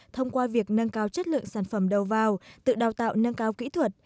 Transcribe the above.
thông qua việc nâng cao chất lượng sản phẩm đầu vào tự đào tạo nâng cao kỹ thuật